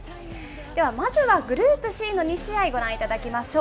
ではまずはグループＣの２試合、ご覧いただきましょう。